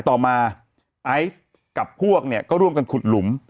ต่อมาไอซ์กับพวกเนี่ยก็ร่วมกันขุดหลุม